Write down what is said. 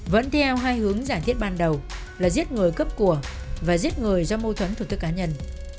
vẫn theo hai hướng giải thiết ban đầu là giết người cấp của và giết người do mô thuẫn thuật tức cá nhân